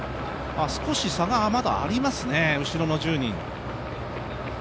少し差がまだありますね、後ろの１０人。